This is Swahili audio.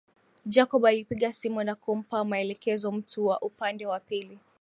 Jacob alipiga simu na kumpa maelekezo mtu wa upande wa pili